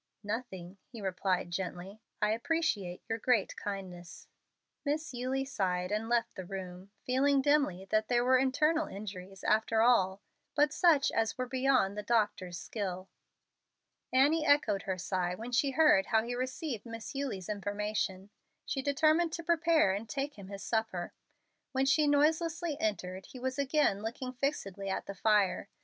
"Nothing," he replied, gently. "I appreciate your great kindness." Miss Eulie sighed and left the room, feeling dimly that there were internal injuries after all, but such as were beyond the doctor's skill. Annie echoed her sigh when she heard how he received Miss Eulie's information. She determined to prepare and take him his supper. When she noiselessly entered, he was again looking fixedly at the fire.